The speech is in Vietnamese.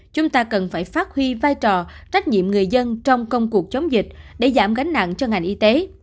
chúng ta cần phải phát huy vai trò trách nhiệm người dân trong công cuộc chống dịch để giảm gánh nặng cho ngành y tế